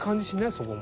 そこも。